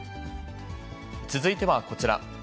続いてはこちら。